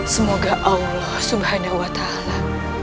semoga allah subhanahu wa ta'ala